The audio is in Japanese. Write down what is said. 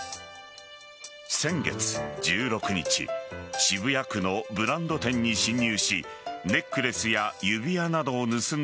先月１６日渋谷区のブランド店に侵入しネックレスや指輪などを盗んだ